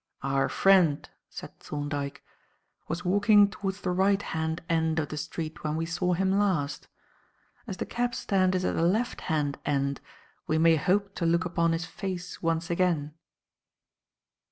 "Our friend," said Thorndyke, "was walking towards the right hand end of the street when we saw him last. As the cabstand is at the left hand end, we may hope to look upon his face once again."